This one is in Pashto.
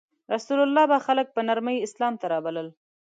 رسول الله به خلک په نرمۍ اسلام ته رابلل.